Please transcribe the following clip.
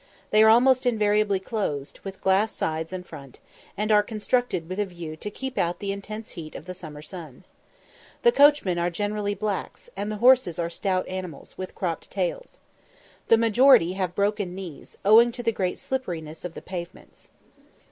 They are almost invariably closed, with glass sides and front, and are constructed with a view to keep out the intense heat of the summer sun. The coachmen are generally blacks, and the horses are stout animals, with cropped tails. The majority have broken knees, owing to the great slipperiness of the pavements.